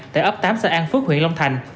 tại ấp tám xã an phước huyện long thành